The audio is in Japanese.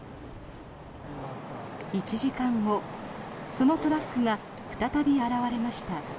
１時間後、そのトラックが再び現れました。